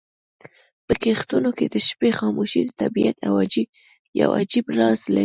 په کښتونو کې د شپې خاموشي د طبیعت یو عجیب راز لري.